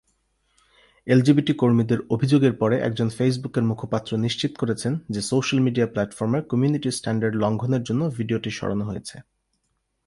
LGBT কর্মীদের অভিযোগের পরে একজন ফেসবুকের মুখপাত্র নিশ্চিত করেছেন যে সোশ্যাল মিডিয়া প্ল্যাটফর্মের কমিউনিটি স্ট্যান্ডার্ড লঙ্ঘনের জন্য ভিডিওটি সরানো হয়েছে।